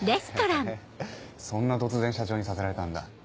へぇそんな突然社長にさせられたんだ？